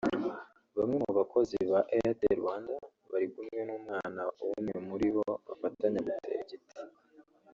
Bamwe mu bakozi ba Airtel Rwanda bari kumwe n'umwana w'umwe muri bo bafatanya gutera igiti